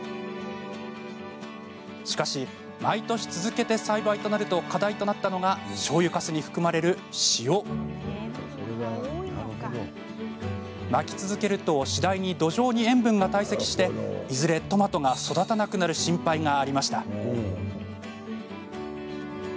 しかし、毎年続けて栽培となると課題となったのがしょうゆかすに含まれる塩。まき続けると次第に土壌に塩分が堆積していずれ、トマトが育たなくなる心配がありました。